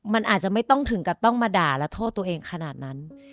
มันอาจจะไม่ต้องถึงกับต้องมาด่าและโทษตัวเองขนาดนั้น